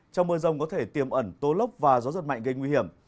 trong mưa rông có thể tiềm ẩn tố lốc và gió giật mạnh gây nguy hiểm